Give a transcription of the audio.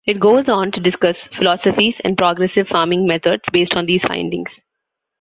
It goes on to discuss philosophies and progressive farming methods based on these findings.